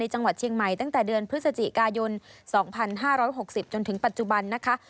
จังหวัดเชียงใหม่ตั้งแต่เดือนพฤศจิกายน๒๕๖๐จนถึงปัจจุบันนะคะ